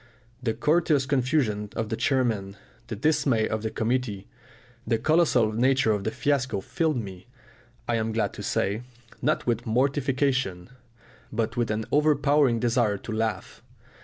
The courteous confusion of the chairman, the dismay of the committee, the colossal nature of the fiasco filled me, I am glad to say, not with mortification, but with an overpowering desire to laugh.